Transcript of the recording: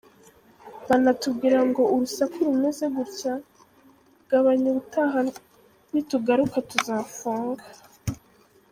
Banatubwira ngo urusaku rumeze rutya gabanya ubutaha nitugaruka tuzafunga.